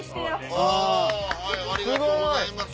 ありがとうございます！